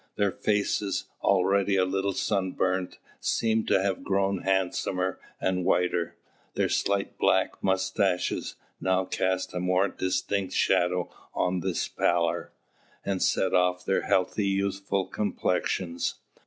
Their faces, already a little sunburnt, seemed to have grown handsomer and whiter; their slight black moustaches now cast a more distinct shadow on this pallor and set off their healthy youthful complexions.